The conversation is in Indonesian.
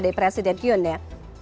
di presiden yoon ya